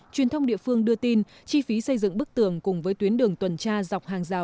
truyền thông địa phương đưa tin chi phí xây dựng bức tường cùng với tuyến đường tuần tra dọc hàng rào